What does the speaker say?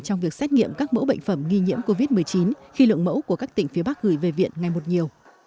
trong việc xét nghiệm các mẫu bệnh phẩm nghi nhiễm covid một mươi chín khi lượng mẫu của các tỉnh phía bắc gửi về viện ngày một nhiều